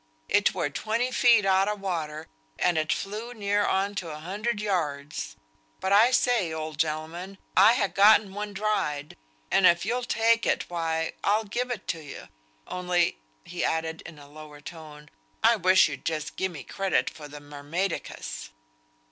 It were twenty feet out o' water, and it flew near on to a hundred yards. But I say, old gentleman, I ha' gotten one dried, and if you'll take it, why, I'll give it you; only," he added, in a lower tone, "I wish you'd just gie me credit for the Mermaidicus."